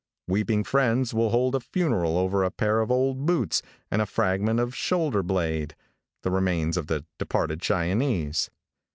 Weeping friends will hold a funeral over a pair of old boots and a fragment of shoulder blade the remains of the departed Cheyennese.